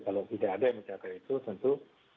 kalau tidak ada yang mencapai itu tentu